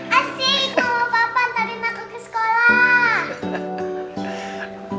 papa mama antarin aku ke sekolah